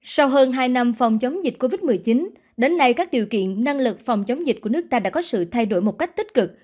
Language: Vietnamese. sau hơn hai năm phòng chống dịch covid một mươi chín đến nay các điều kiện năng lực phòng chống dịch của nước ta đã có sự thay đổi một cách tích cực